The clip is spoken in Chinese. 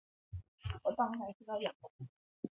他也代表波黑国家足球队参赛。